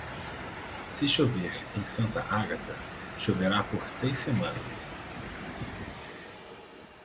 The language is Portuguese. Se chover em Santa Agata, choverá por seis semanas.